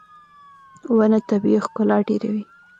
• ونه طبیعي ښکلا ډېروي.